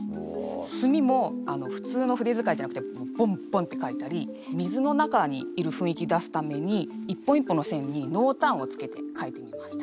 墨も普通の筆遣いじゃなくてボンボンって書いたり水の中にいる雰囲気出すために一本一本の線に濃淡をつけて書いてみました。